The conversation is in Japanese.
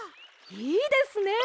いいですね！